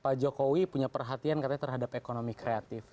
pak jokowi punya perhatian katanya terhadap ekonomi kreatif